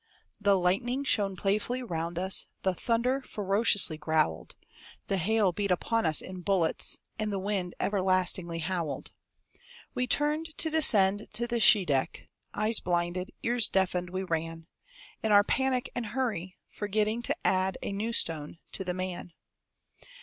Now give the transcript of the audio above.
The lightning shone playfully round us; The thunder ferociously growled; The hail beat upon us in bullets; And the wind everlastingly howled. We turned to descend to the Scheideck, Eyes blinded, ears deafened, we ran, In our panic and hurry, forgetting To add a new stone to the man.